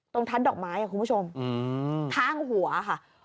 ทัดดอกไม้คุณผู้ชมข้างหัวค่ะ